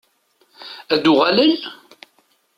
Ad d-uɣalen?